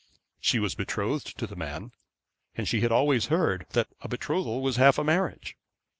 She was betrothed to the man, and she had always heard that a betrothal was half a marriage.